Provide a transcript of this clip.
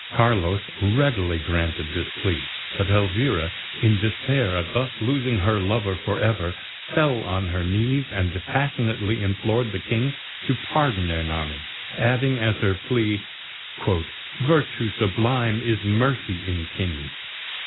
Carlos readily granted this plea; but Elvira, in despair at thus losing her lover for ever, fell on her knees, and passionately implored the King to pardon Ernani, adding as her plea, "Virtue sublime is mercy in kings!"